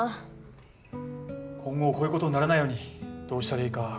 今後こういうことにならないようにどうしたらいいか考えなさい。